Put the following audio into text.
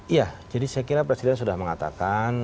iya jadi saya kira presiden sudah mengatakan